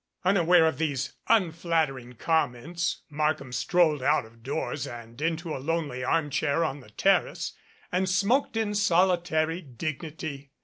Unaware of these unflattering comments, Markham strolled out of doors and into a lonely armchair on the terrace, and smoked in solitary dignity.